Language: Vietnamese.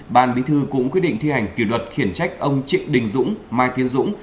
bàn bí thư cũng quyết định thi hành kiều luật khiển trách ông trịnh đình dũng mai tiến dũng